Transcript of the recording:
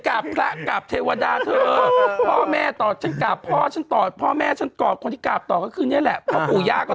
เขาบอกว่าวันนี้คุณมถคุณมถเปลี่ยนไป